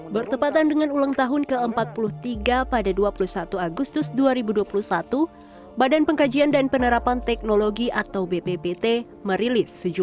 bppt badan pengkajian dan penerapan teknologi